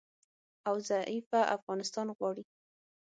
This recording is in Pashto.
او ضعیفه افغانستان غواړي